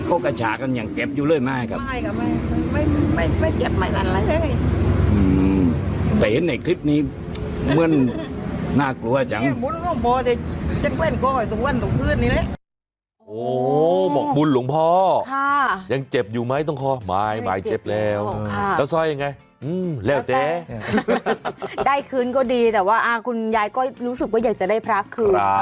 โอ้โฮบอกบุญหลวงพ่อยังเจ็บอยู่ไหมตรงคอไม่ไม่เจ็บแล้วแล้วสร้อยยังไงเร็วเจได้คืนก็ดีแต่ว่าอ้าวคุณยายก็รู้สึกว่าอยากจะได้พระคืน